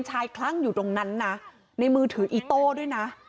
คลั่งอยู่ตรงนั้นนะในมือถืออีโต้ด้วยนะ